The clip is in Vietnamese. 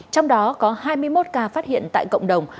trong đó có hai mươi một ca phát hiện tại cộng đồng